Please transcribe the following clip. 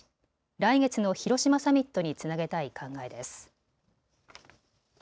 来月の広島サミットにつなげたい考えです。